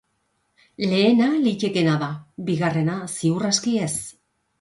Lehena litekeena da, bigarrena ziur aski ez.